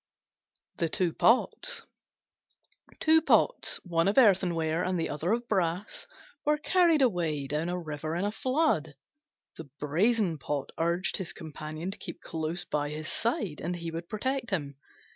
THE TWO POTS Two Pots, one of earthenware and the other of brass, were carried away down a river in flood. The Brazen Pot urged his companion to keep close by his side, and he would protect him.